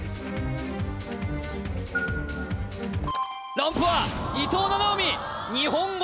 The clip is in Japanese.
ランプは伊藤七海